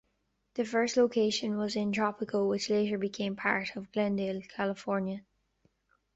The first location was in Tropico which later became part of Glendale, California.